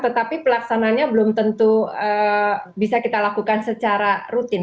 tetapi pelaksananya belum tentu bisa kita lakukan secara rutin